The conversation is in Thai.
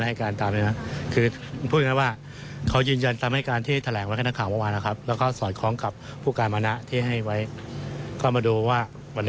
ว่าวันนี้ขอตรวจยึดโทรศัพท์พอที่เมื่อวานโทรศัพท์เขาฝากกลับบ้าน